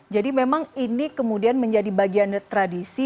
jadi memang ini kemudian menjadi bagian tradisi